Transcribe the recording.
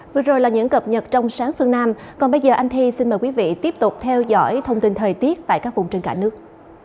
vừa rồi là những cập nhật trong sáng phương nam còn bây giờ anh thi xin mời quý vị tiếp tục theo dõi thông tin thời tiết tại các vùng trên cả nước